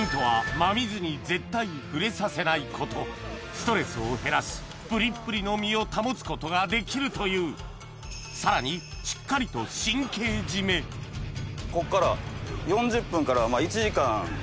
ストレスを減らしプリップリの身を保つことができるというさらにしっかりとこっから。